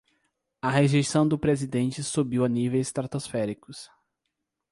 A rejeição do presidente subiu a níveis estratosféricos